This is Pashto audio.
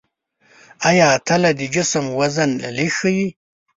آیا تله د جسم وزن لږ ښيي؟